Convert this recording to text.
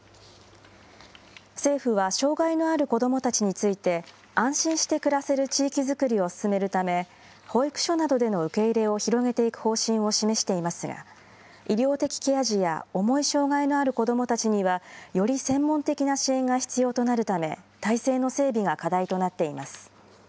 政府は障害のある子どもたちについて、安心して暮らせる地域作りを進めるため、保育所などでの受け入れを広げていく方針を示していますが、医療的ケア児や、重い障害のある子どもたちには、より専門的な支援が必要となるため、体制の整備が課題となっています。